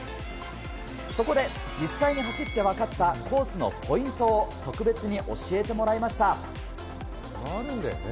そこで実際に走ってわかったコースのポイントを特別に教えてもらいました。